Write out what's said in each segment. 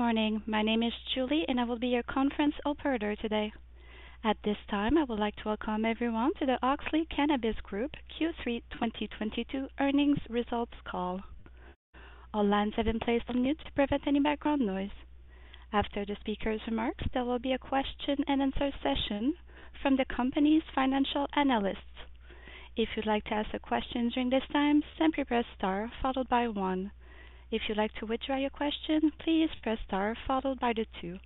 Good morning. My name is Julie, and I will be your conference operator today. At this time, I would like to welcome everyone to the Auxly Cannabis Group Q3 2022 earnings results call. All lines have been placed on mute to prevent any background noise. After the speaker's remarks, there will be a questio-and answer session from the company's financial analysts. If you'd like to ask a question during this time, simply press star followed by one. If you'd like to withdraw your question, please press star followed by the two.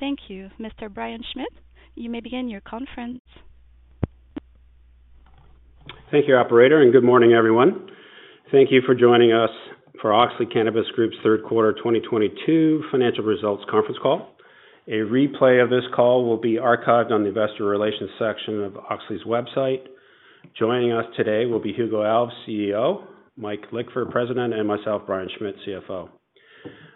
Thank you. Mr. Brian Schmitt, you may begin your conference. Thank you, operator, and good morning, everyone. Thank you for joining us for Auxly Cannabis Group's third quarter 2022 financial results conference call. A replay of this call will be archived on the investor relations section of Auxly's website. Joining us today will be Hugo Alves, CEO, Michael Lickver, President, and myself, Brian Schmitt, CFO.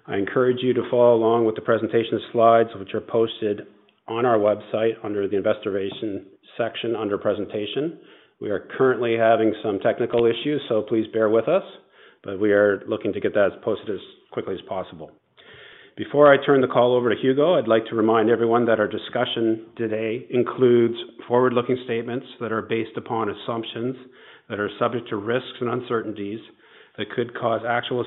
I encourage you to follow along with the presentation slides, which are posted on our website under the investor relations section under presentation. We are currently having some technical issues, so please bear with us, but we are looking to get that as posted as quickly as possible. Before I turn the call over to Hugo, I'd like to remind everyone that our discussion today includes forward-looking statements that are based upon assumptions that are subject to risks and uncertainties that could cause actual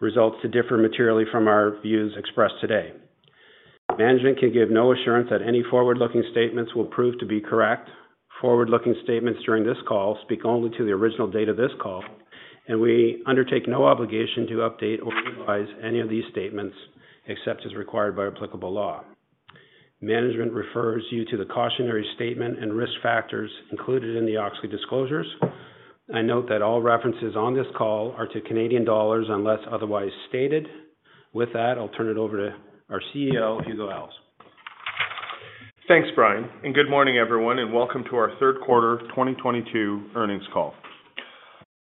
results to differ materially from our views expressed today. Management can give no assurance that any forward-looking statements will prove to be correct. Forward-looking statements during this call speak only to the original date of this call, and we undertake no obligation to update or revise any of these statements except as required by applicable law. Management refers you to the cautionary statement and risk factors included in the Auxly disclosures, and note that all references on this call are to Canadian dollars unless otherwise stated. With that, I'll turn it over to our CEO, Hugo Alves. Thanks, Brian, and good morning, everyone, and welcome to our third quarter 2022 earnings call.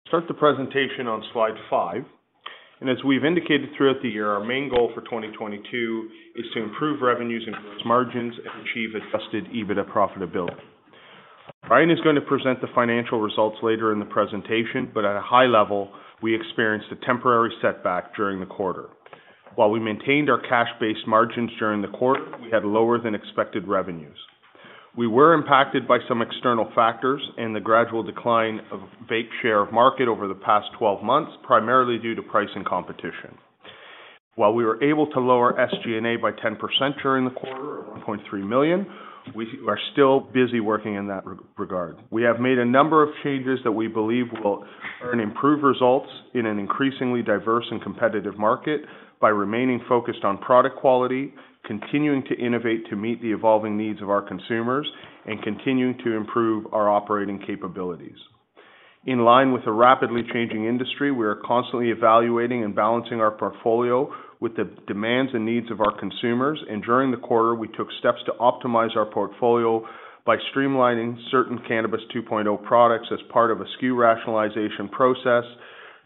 Start the presentation on slide 5. As we've indicated throughout the year, our main goal for 2022 is to improve revenues, increase margins, and achieve adjusted EBITDA profitability. Brian is going to present the financial results later in the presentation, but at a high level, we experienced a temporary setback during the quarter. While we maintained our cash-based margins during the quarter, we had lower than expected revenues. We were impacted by some external factors and the gradual decline of vape share of market over the past 12 months, primarily due to price and competition. While we were able to lower SG&A by 10% during the quarter, or 1.3 million, we are still busy working in that regard. We have made a number of changes that we believe will earn improved results in an increasingly diverse and competitive market by remaining focused on product quality, continuing to innovate to meet the evolving needs of our consumers, and continuing to improve our operating capabilities. In line with the rapidly changing industry, we are constantly evaluating and balancing our portfolio with the demands and needs of our consumers. During the quarter, we took steps to optimize our portfolio by streamlining certain Cannabis 2.0 products as part of a SKU rationalization process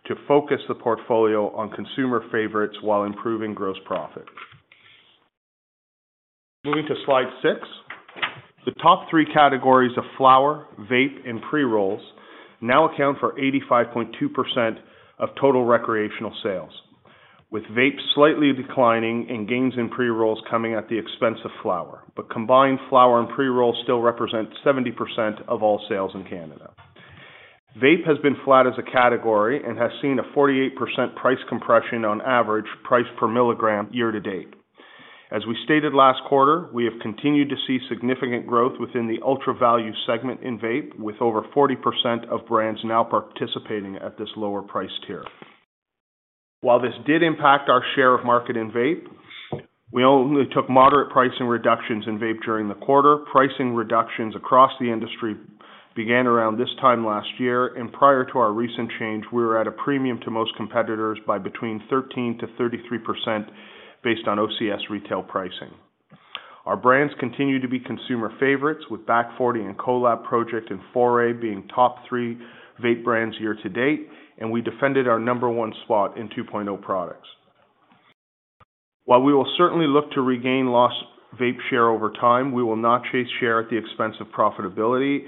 to focus the portfolio on consumer favorites while improving gross profit. Moving to slide 6. The top three categories of flower, vape, and pre-rolls now account for 85.2% of total recreational sales, with vape slightly declining and gains in pre-rolls coming at the expense of flower. Combined, flower and pre-rolls still represent 70% of all sales in Canada. Vape has been flat as a category and has seen a 48% price compression on average price per milligram year to date. As we stated last quarter, we have continued to see significant growth within the ultra-value segment in vape, with over 40% of brands now participating at this lower price tier. While this did impact our share of market in vape, we only took moderate pricing reductions in vape during the quarter. Pricing reductions across the industry began around this time last year, and prior to our recent change, we were at a premium to most competitors by between 13%-33% based on OCS retail pricing. Our brands continue to be consumer favorites, with Back Forty and Kolab Project and Foray being top three vape brands year to date, and we defended our number one spot in 2.0 products. While we will certainly look to regain lost vape share over time, we will not chase share at the expense of profitability.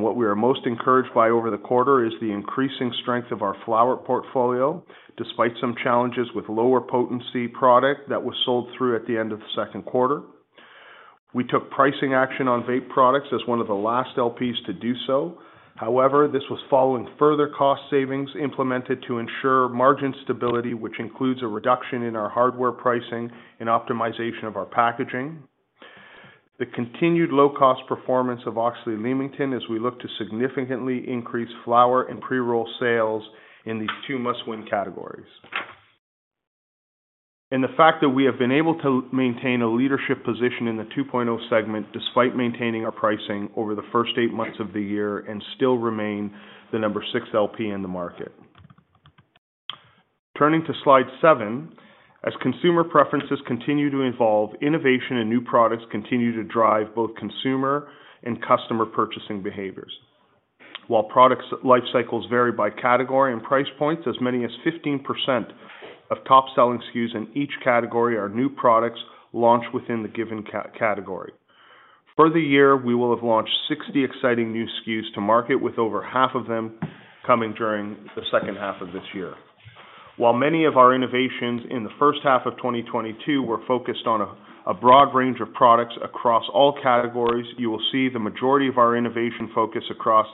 What we are most encouraged by over the quarter is the increasing strength of our flower portfolio, despite some challenges with lower potency product that was sold through at the end of the second quarter. We took pricing action on vape products as one of the last LPs to do so. However, this was following further cost savings implemented to ensure margin stability, which includes a reduction in our hardware pricing and optimization of our packaging. The continued low-cost performance of Auxly Leamington as we look to significantly increase flower and pre-roll sales in these two must-win categories. The fact that we have been able to maintain a leadership position in the 2.0 segment despite maintaining our pricing over the first eight months of the year and still remain the number six LP in the market. Turning to slide seven. As consumer preferences continue to evolve, innovation and new products continue to drive both consumer and customer purchasing behaviors. While products' life cycles vary by category and price points, as many as 15% of top-selling SKUs in each category are new products launched within the given category. For the year, we will have launched 60 exciting new SKUs to market with over half of them coming during the second half of this year. While many of our innovations in the first half of 2022 were focused on a broad range of products across all categories, you will see the majority of our innovation focus across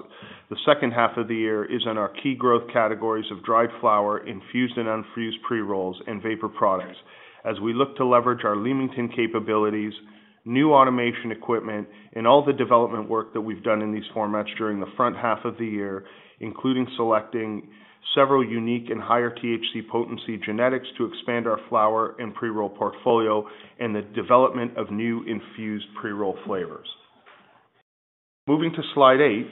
the second half of the year is in our key growth categories of dried flower, infused and unfused pre-rolls, and vapor products as we look to leverage our Leamington capabilities, new automation equipment, and all the development work that we've done in these formats during the front half of the year, including selecting several unique and higher THC potency genetics to expand our flower and pre-roll portfolio and the development of new infused pre-roll flavors. Moving to Slide eight,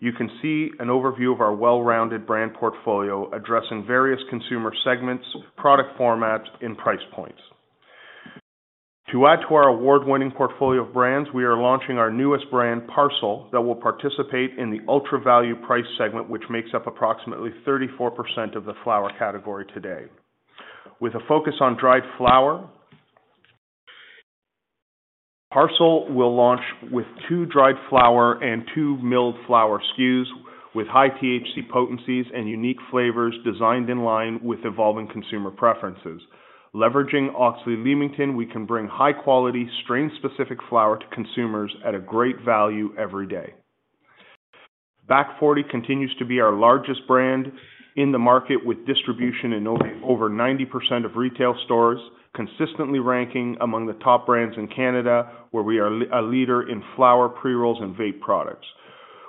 you can see an overview of our well-rounded brand portfolio addressing various consumer segments, product formats, and price points. To add to our award-winning portfolio of brands, we are launching our newest brand, Parcel, that will participate in the ultra-value price segment, which makes up approximately 34% of the flower category today. With a focus on dried flower, Parcel will launch with two dried flower and two milled flower SKUs with high THC potencies and unique flavors designed in line with evolving consumer preferences. Leveraging Auxly Leamington, we can bring high quality, strain-specific flower to consumers at a great value every day. Back Forty continues to be our largest brand in the market with distribution in over 90% of retail stores, consistently ranking among the top brands in Canada, where we are a leader in flower pre-rolls and vape products.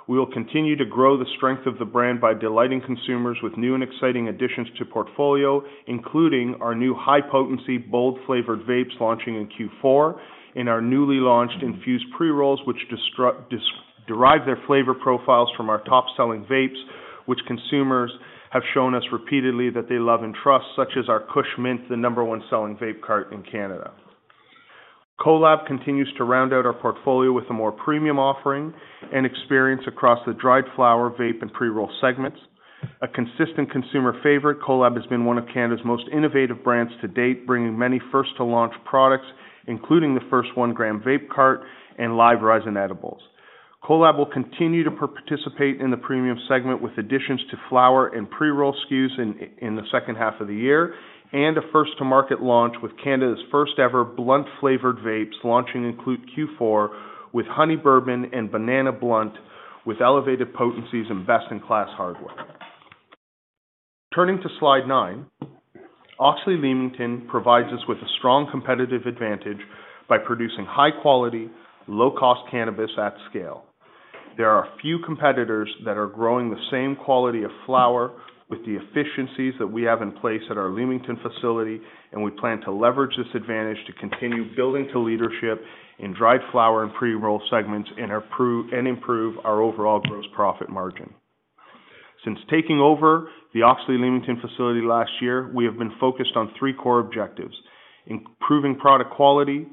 We will continue to grow the strength of the brand by delighting consumers with new and exciting additions to portfolio, including our new high potency, bold flavored vapes launching in Q4 and our newly launched infused pre-rolls, which derive their flavor profiles from our top-selling vapes, which consumers have shown us repeatedly that they love and trust, such as our Kush Mint, the number one selling vape cart in Canada. Kolab continues to round out our portfolio with a more premium offering and experience across the dried flower, vape, and pre-roll segments. A consistent consumer favorite, Kolab has been one of Canada's most innovative brands to date, bringing many first to launch products, including the first one gram vape cart and live resin edibles. Kolab will continue to participate in the premium segment with additions to flower and pre-roll SKUs in the second half of the year, and a first to market launch with Canada's first ever blunt flavored vapes launching in Q4 with Honey Bourbon and Banana Blunt with elevated potencies and best in class hardware. Turning to slide nine, Auxly Leamington provides us with a strong competitive advantage by producing high quality, low cost cannabis at scale. There are a few competitors that are growing the same quality of flower with the efficiencies that we have in place at our Leamington facility, and we plan to leverage this advantage to continue building to leadership in dried flower and pre-roll segments and improve our overall gross profit margin. Since taking over the Auxly Leamington facility last year, we have been focused on three core objectives, improving product quality,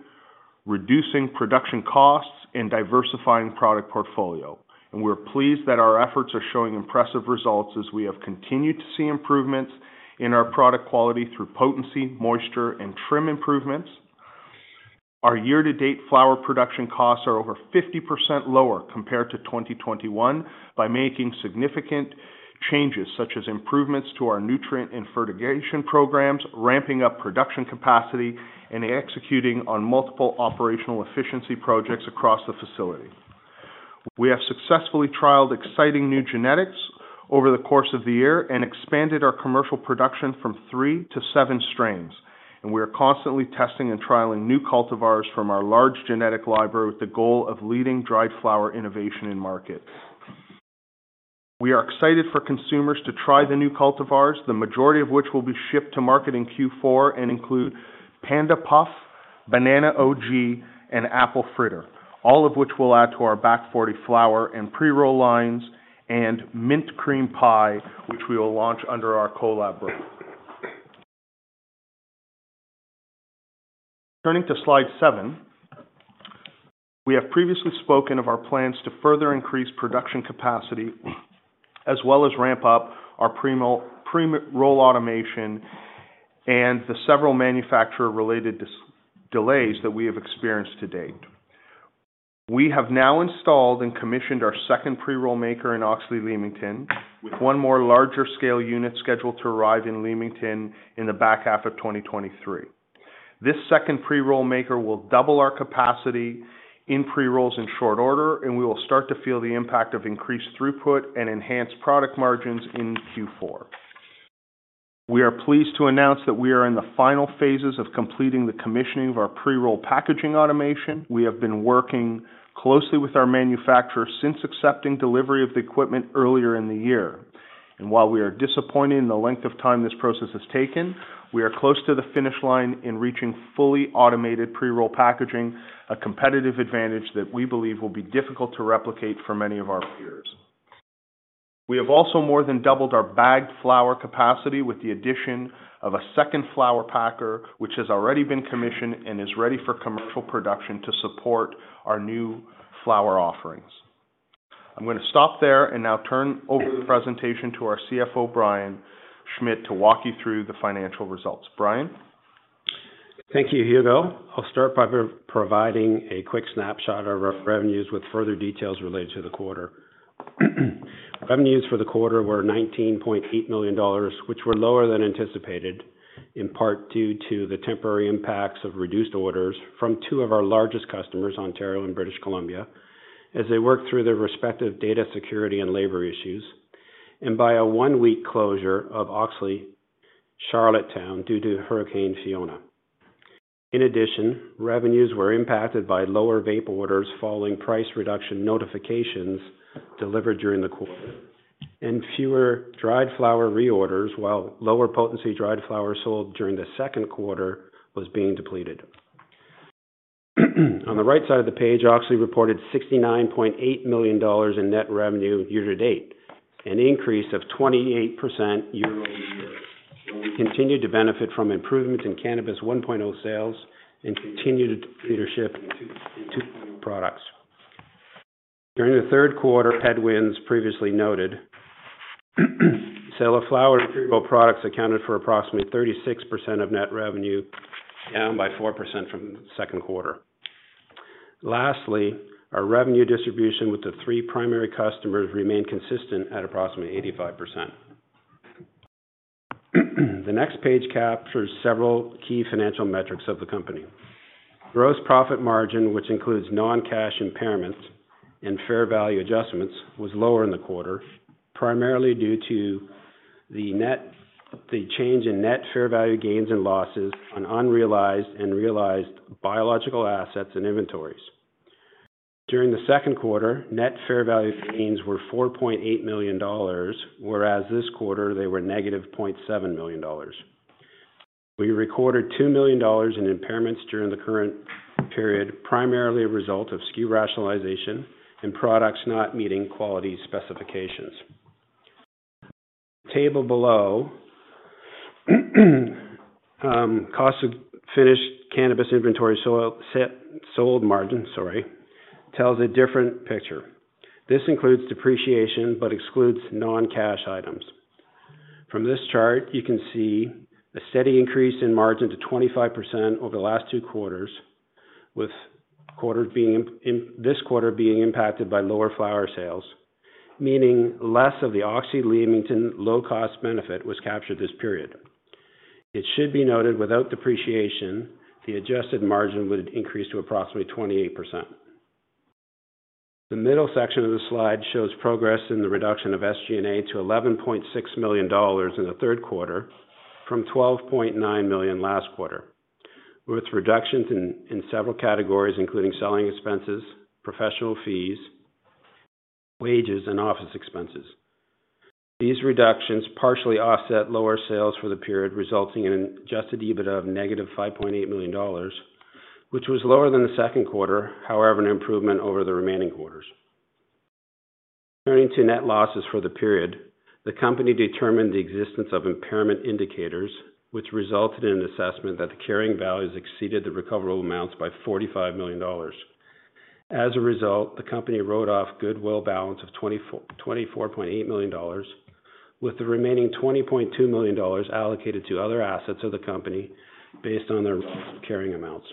reducing production costs, and diversifying product portfolio. We're pleased that our efforts are showing impressive results as we have continued to see improvements in our product quality through potency, moisture, and trim improvements. Our year-to-date flower production costs are over 50% lower compared to 2021 by making significant changes such as improvements to our nutrient and fertigation programs, ramping up production capacity, and executing on multiple operational efficiency projects across the facility. We have successfully trialed exciting new genetics over the course of the year and expanded our commercial production from 3 to 7 strains, and we are constantly testing and trialing new cultivars from our large genetic library with the goal of leading dried flower innovation in market. We are excited for consumers to try the new cultivars, the majority of which will be shipped to market in Q4 and include Panda Puff, Banana OG, and Apple Fritter, all of which will add to our Back Forty flower and pre-roll lines and Mint Cream Pie, which we will launch under our Kolab brand. Turning to slide seven, we have previously spoken of our plans to further increase production capacity as well as ramp up our pre-roll automation and the several manufacturer-related delays that we have experienced to date. We have now installed and commissioned our second pre-roll maker in Auxly Leamington with one more larger scale unit scheduled to arrive in Leamington in the back half of 2023. This second pre-roll maker will double our capacity in pre-rolls in short order, and we will start to feel the impact of increased throughput and enhanced product margins in Q4. We are pleased to announce that we are in the final phases of completing the commissioning of our pre-roll packaging automation. We have been working closely with our manufacturer since accepting delivery of the equipment earlier in the year. While we are disappointed in the length of time this process has taken, we are close to the finish line in reaching fully automated pre-roll packaging, a competitive advantage that we believe will be difficult to replicate for many of our peers. We have also more than doubled our bagged flower capacity with the addition of a second flower packer, which has already been commissioned and is ready for commercial production to support our new flower offerings. I'm gonna stop there and now turn over the presentation to our CFO, Brian Schmitt, to walk you through the financial results. Brian. Thank you, Hugo. I'll start by providing a quick snapshot of our revenues with further details related to the quarter. Revenues for the quarter were 19.8 million dollars, which were lower than anticipated, in part due to the temporary impacts of reduced orders from two of our largest customers, Ontario and British Columbia, as they work through their respective data security and labor issues, and by a one-week closure of Auxly Charlottetown due to Hurricane Fiona. In addition, revenues were impacted by lower vape orders following price reduction notifications delivered during the quarter, and fewer dried flower reorders, while lower potency dried flower sold during the second quarter was being depleted. On the right side of the page, Auxly Charlottetown reported 69.8 million dollars in net revenue year-to-date, an increase of 28% year-over-year. We continued to benefit from improvements in Cannabis 1.0 sales and continued leadership in 2.0 products. During the third quarter headwinds previously noted, sale of flower and pre-rolled products accounted for approximately 36% of net revenue, down 4% from the second quarter. Lastly, our revenue distribution with the three primary customers remained consistent at approximately 85%. The next page captures several key financial metrics of the company. Gross profit margin, which includes non-cash impairments and fair value adjustments, was lower in the quarter, primarily due to the change in net fair value gains and losses on unrealized and realized biological assets and inventories. During the second quarter, net fair value gains were 4.8 million dollars, whereas this quarter they were negative 0.7 million dollars. We recorded 2 million dollars in impairments during the current period, primarily a result of SKU rationalization and products not meeting quality specifications. table below, cost of finished cannabis inventory tells a different picture. This includes depreciation but excludes non-cash items. From this chart, you can see a steady increase in margin to 25% over the last two quarters, with this quarter being impacted by lower flower sales, meaning less of the Auxly Leamington low-cost benefit was captured this period. It should be noted, without depreciation, the adjusted margin would increase to approximately 28%. The middle section of the slide shows progress in the reduction of SG&A to 11.6 million dollars in the third quarter from 12.9 million last quarter, with reductions in several categories including selling expenses, professional fees, wages, and office expenses. These reductions partially offset lower sales for the period, resulting in an adjusted EBITDA of -5.8 million, which was lower than the second quarter, however, an improvement over the remaining quarters. Turning to net losses for the period, the company determined the existence of impairment indicators, which resulted in an assessment that the carrying values exceeded the recoverable amounts by 45 million dollars. As a result, the company wrote off goodwill balance of 24.8 million, with the remaining 20.2 million dollars allocated to other assets of the company based on their carrying amounts.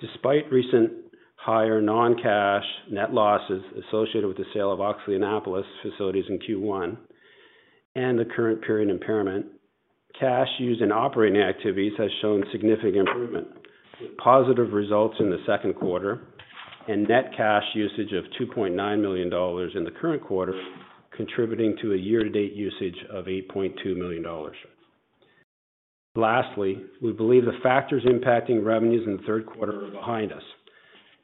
Despite recent higher non-cash net losses associated with the sale of Auxly Annapolis facilities in Q1 and the current period impairment, cash used in operating activities has shown significant improvement. Positive results in the second quarter and net cash usage of 2.9 million dollars in the current quarter, contributing to a year-to-date usage of 8.2 million dollars. Lastly, we believe the factors impacting revenues in the third quarter are behind us,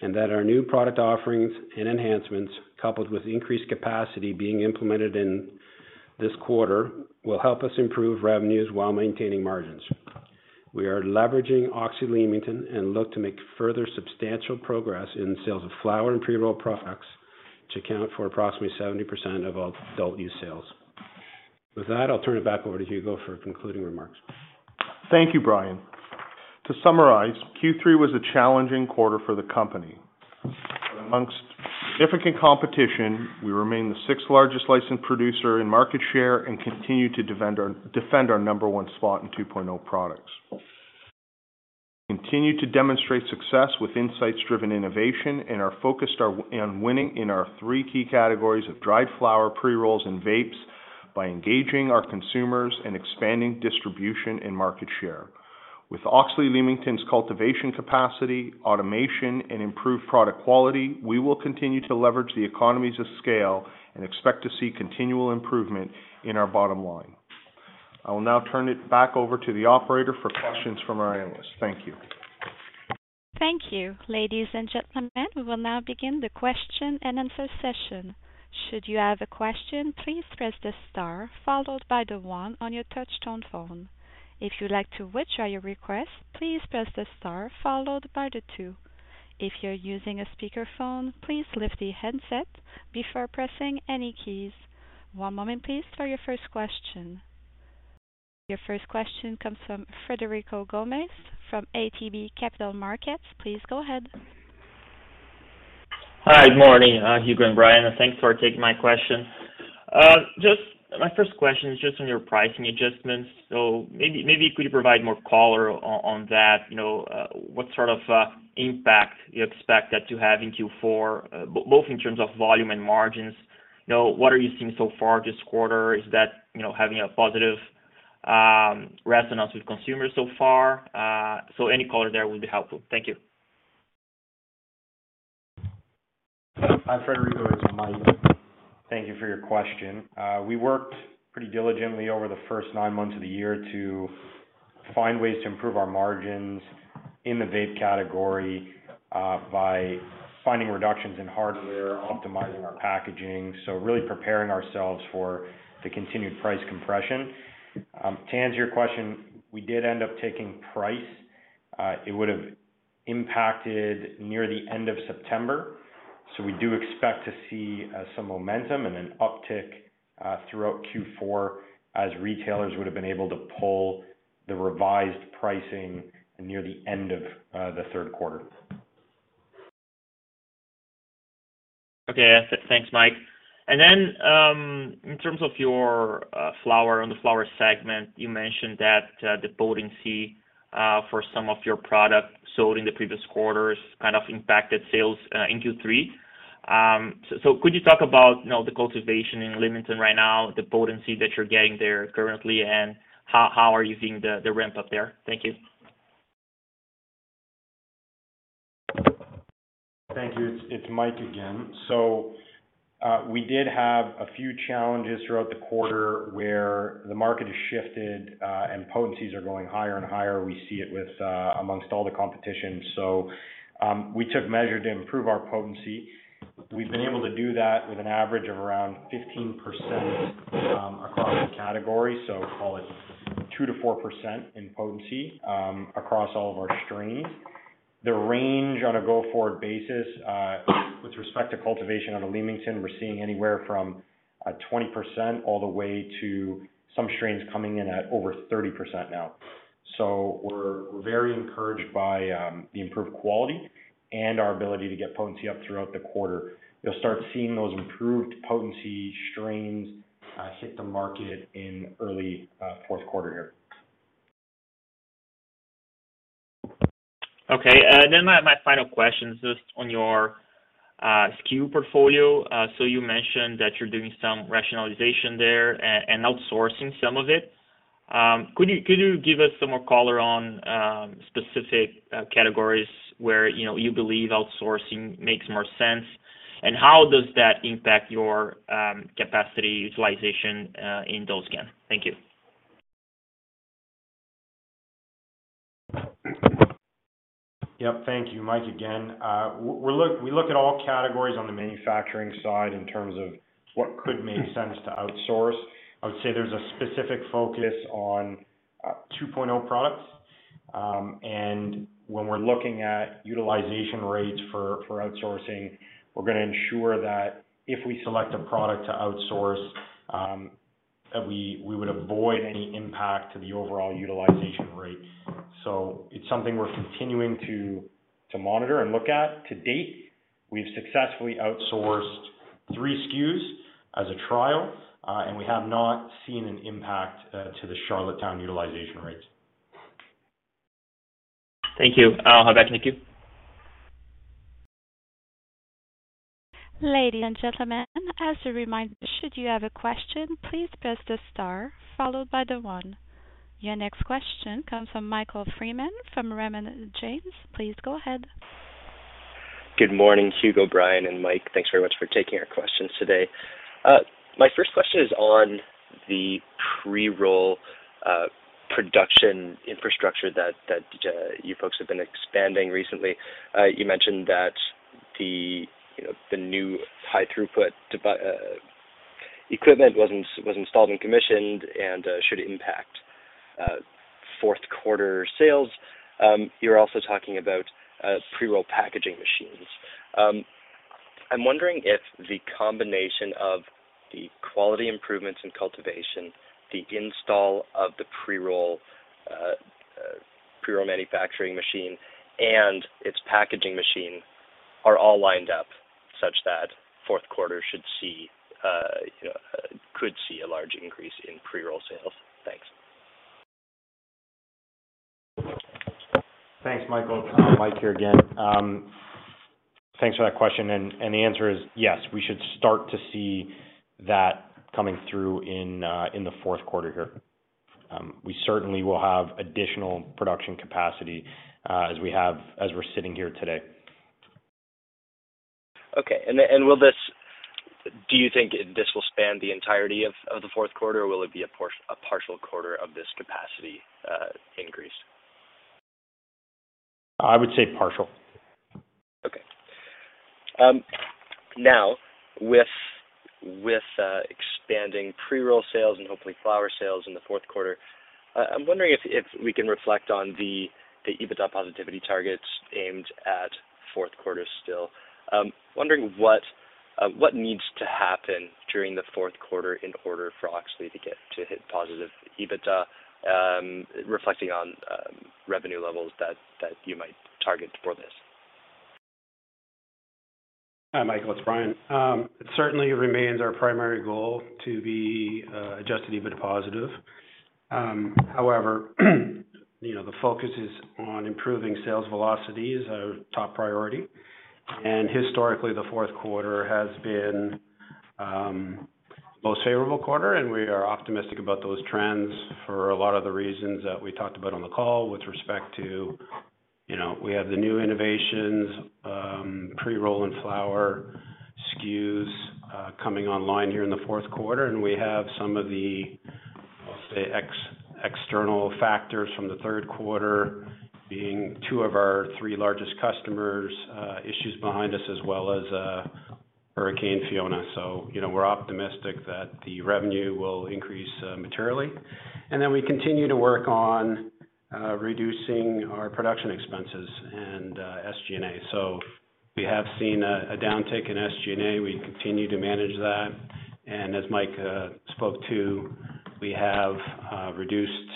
and that our new product offerings and enhancements, coupled with increased capacity being implemented in this quarter, will help us improve revenues while maintaining margins. We are leveraging Auxly Leamington and look to make further substantial progress in sales of flower and pre-rolled products to account for approximately 70% of adult-use sales. With that, I'll turn it back over to Hugo for concluding remarks. Thank you, Brian. To summarize, Q3 was a challenging quarter for the company. Among significant competition, we remain the sixth-largest licensed producer in market share and continue to defend our number one spot in 2.0 products. We continue to demonstrate success with insights-driven innovation and are focused on winning in our three key categories of dried flower, pre-rolls, and vapes by engaging our consumers and expanding distribution and market share. With Auxly Leamington's cultivation capacity, automation, and improved product quality, we will continue to leverage the economies of scale and expect to see continual improvement in our bottom line. I will now turn it back over to the operator for questions from our analysts. Thank you. Thank you. Ladies and gentlemen, we will now begin the question-and-answer session. Should you have a question, please press the star followed by the one on your touchtone phone. If you'd like to withdraw your request, please press the star followed by the two. If you're using a speakerphone, please lift the headset before pressing any keys. One moment please for your first question. Your first question comes from Frederico Gomes from ATB Capital Markets. Please go ahead. Hi, good morning, Hugo and Brian. Thanks for taking my question. Just my first question is just on your pricing adjustments. Maybe could you provide more color on that, you know, what sort of impact you expect that to have in Q4, both in terms of volume and margins? You know, what are you seeing so far this quarter? Is that, you know, having a positive resonance with consumers so far? Any color there would be helpful. Thank you. Hi, Frederico. It's Mike. Thank you for your question. We worked pretty diligently over the first nine months of the year to find ways to improve our margins in the vape category, by finding reductions in hardware, optimizing our packaging, so really preparing ourselves for the continued price compression. To answer your question, we did end up taking price. It would have impacted near the end of September, so we do expect to see some momentum and an uptick throughout Q4 as retailers would have been able to pull the revised pricing near the end of the third quarter. Okay. Thanks, Mike. In terms of your flower, on the flower segment, you mentioned that the potency for some of your products sold in the previous quarters kind of impacted sales in Q3. Could you talk about, you know, the cultivation in Leamington right now, the potency that you're getting there currently, and how are you seeing the ramp up there? Thank you. Thank you. It's Mike again. We did have a few challenges throughout the quarter where the market has shifted, and potencies are going higher and higher. We see it with amongst all the competition. We took measures to improve our potency. We've been able to do that with an average of around 15%, across the category, so call it 2%-4% in potency, across all of our strains. The range on a go-forward basis, with respect to cultivation out of Leamington, we're seeing anywhere from 20% all the way to some strains coming in at over 30% now. We're very encouraged by the improved quality and our ability to get potency up throughout the quarter. You'll start seeing those improved potency strains hit the market in early fourth quarter here. Okay. My final question is just on your SKU portfolio. You mentioned that you're doing some rationalization there and outsourcing some of it. Could you give us some more color on specific categories where you know you believe outsourcing makes more sense, and how does that impact your capacity utilization in those SKU? Thank you. Yep. Thank you. Mike again. We look at all categories on the manufacturing side in terms of what could make sense to outsource. I would say there's a specific focus on 2.0 products. When we're looking at utilization rates for outsourcing, we're gonna ensure that if we select a product to outsource, that we would avoid any impact to the overall utilization rate. It's something we're continuing to monitor and look at. To date, we've successfully outsourced three SKUs as a trial, and we have not seen an impact to the Charlottetown utilization rates. Thank you. I'll hand back to you. Ladies and gentlemen, as a reminder, should you have a question, please press the star followed by the one. Your next question comes from Michael Freeman from Raymond James. Please go ahead. Good morning, Hugo, Brian, and Mike. Thanks very much for taking our questions today. My first question is on the pre-roll production infrastructure that you folks have been expanding recently. You mentioned that the, you know, the new high throughput equipment was installed and commissioned and should impact fourth quarter sales. You're also talking about pre-roll packaging machines. I'm wondering if the combination of the quality improvements in cultivation, the install of the pre-roll manufacturing machine, and its packaging machine are all lined up such that fourth quarter should see, you know, could see a large increase in pre-roll sales. Thanks. Thanks, Michael. Mike here again. Thanks for that question. The answer is yes, we should start to see that coming through in the fourth quarter here. We certainly will have additional production capacity as we're sitting here today. Okay. Do you think this will span the entirety of the fourth quarter, or will it be a partial quarter of this capacity increase? I would say partial. Okay. Now with expanding pre-roll sales and hopefully flower sales in the fourth quarter, I'm wondering if we can reflect on the EBITDA positivity targets aimed at fourth quarter still. Wondering what needs to happen during the fourth quarter in order for Auxly to get to hit positive EBITDA, reflecting on revenue levels that you might target for this? Hi, Michael, it's Brian. It certainly remains our primary goal to be adjusted EBITDA positive. However, you know, the focus is on improving sales velocity is our top priority. Historically, the fourth quarter has been most favorable quarter, and we are optimistic about those trends for a lot of the reasons that we talked about on the call with respect to, you know, we have the new innovations, pre-roll and flower SKUs coming online here in the fourth quarter, and we have some of the, I'll say, external factors from the third quarter being two of our three largest customers' issues behind us as well as Hurricane Fiona. You know, we're optimistic that the revenue will increase materially. Then we continue to work on reducing our production expenses and SG&A. We have seen a downtick in SG&A. We continue to manage that. As Mike spoke to, we have reduced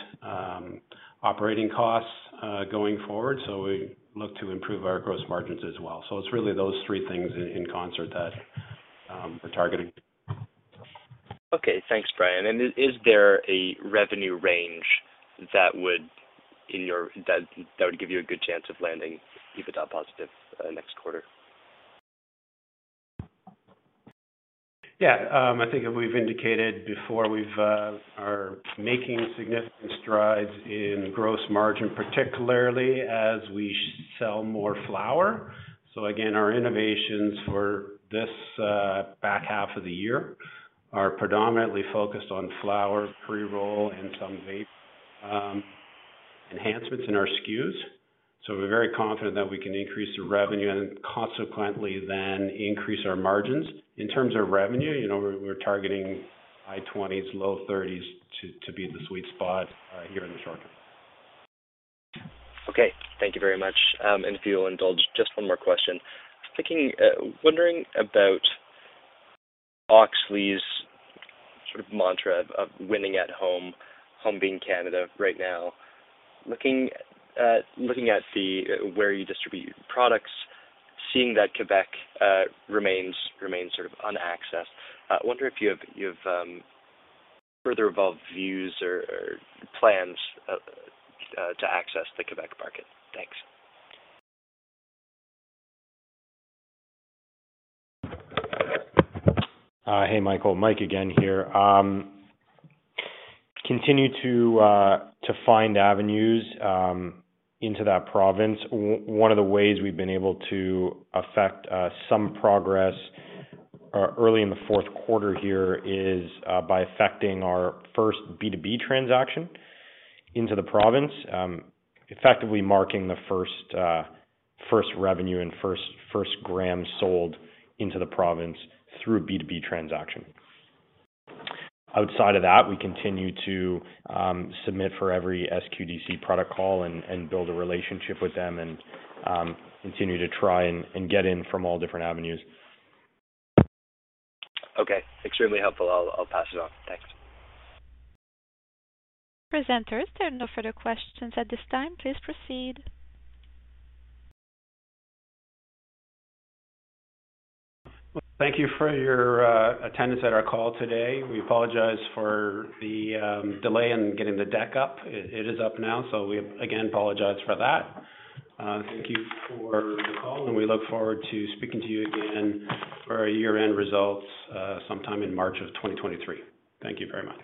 operating costs going forward, so we look to improve our gross margins as well. It's really those three things in concert that we're targeting. Okay. Thanks, Brian. Is there a revenue range that would give you a good chance of landing EBITDA positive next quarter? Yeah. I think we've indicated before we are making significant strides in gross margin, particularly as we sell more flower. Again, our innovations for this back half of the year are predominantly focused on flower, pre-roll, and some vape enhancements in our SKUs. We're very confident that we can increase the revenue and consequently then increase our margins. In terms of revenue, you know, we're targeting high 20s, low 30s to be the sweet spot here in the short term. Okay. Thank you very much. If you'll indulge, just one more question. I'm thinking, wondering about Auxly's sort of mantra of winning at home being Canada right now. Looking at where you distribute products, seeing that Quebec remains sort of unaccessed, I wonder if you have further evolved views or plans to access the Quebec market. Thanks. Hey, Michael. Mike again here. Continue to find avenues into that province. One of the ways we've been able to effect some progress early in the fourth quarter here is by effecting our first B2B transaction into the province, effectively marking the first revenue and first gram sold into the province through a B2B transaction. Outside of that, we continue to submit for every SQDC product call and build a relationship with them and continue to try and get in from all different avenues. Okay. Extremely helpful. I'll pass it on. Thanks. Presenters, there are no further questions at this time. Please proceed. Thank you for your attendance at our call today. We apologize for the delay in getting the deck up. It is up now, so we again apologize for that. Thank you for the call, and we look forward to speaking to you again for our year-end results sometime in March of 2023. Thank you very much.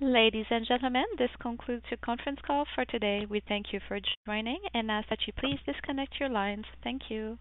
Ladies and gentlemen, this concludes your conference call for today. We thank you for joining and ask that you please disconnect your lines. Thank you.